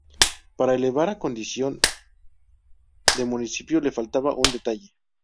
Para elevar a condición de municipio, le faltaba un detalle.